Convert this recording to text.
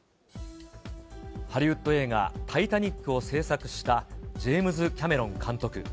ハリウッド映画、タイタニックを制作したジェームズ・キャメロン監督。